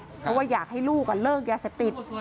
เพราะว่าอยากให้ลูกเลิกยาเสพติด